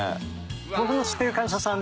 僕の知ってる会社さんで。